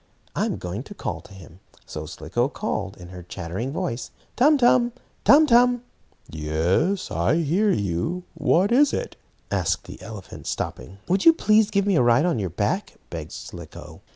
I'm going to call to him." So Slicko called, in her chattering voice: "Tum Tum! Tum Tum!" "Yes, I hear you. What is it?" asked the elephant, stopping. "Would you please give me a ride on your back," begged Slicko.